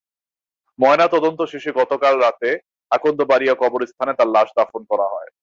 ময়নাতদন্ত শেষে গতকাল রাতে আকন্দবাড়িয়া কবরস্থানে তাঁর লাশ দাফন করা হয়।